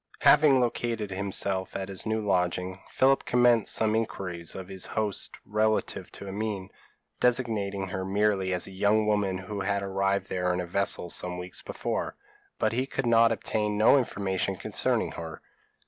Having located himself at his new lodging, Philip commenced some inquiries of his host relative to Amine, designating her merely as a young woman who had arrived there in a vessel some weeks before, but he could obtain no information concerning her.